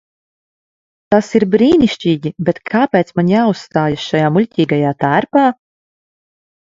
Tas ir brīnišķīgi, bet kāpēc man jāuzstājas šajā muļķīgajā tērpā?